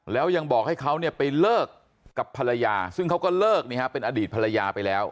แล้วยังบอกให้เขาไปเลิกกับภรรยาซึ่งเขาก็เลิกเป็นอดีตภรรยาไปแล้ว